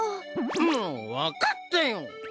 もうわかったよ！